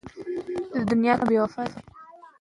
بهرنۍ مداخلې هیواد خرابوي.